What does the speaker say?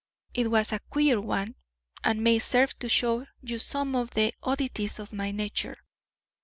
It was a queer one, and may serve to show you some of the oddities of my nature.